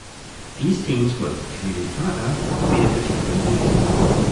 These teams work with a community partner to meet a particular need.